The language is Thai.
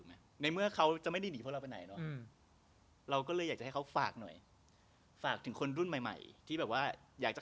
ในเมื่อเขาจะไม่ได้หนีพวกเราไปไหนเนาะ